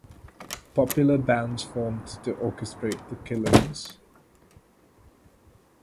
Popular bands formed to orchestrate the killings.